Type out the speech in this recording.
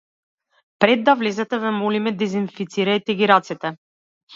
„Пред да влезете ве молиме дезинфицирајте ги рацете“